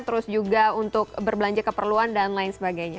terus juga untuk berbelanja keperluan dan lain sebagainya